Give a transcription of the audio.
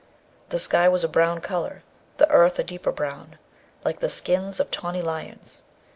The sky was a brown colour; the earth a deeper brown, like the skins of tawny lions.